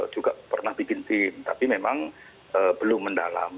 juga pernah bikin tim tapi memang belum mendalam